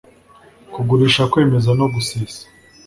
kugurisha kwemeza no gusesa